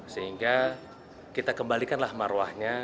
sehingga kita kembalikanlah maruahnya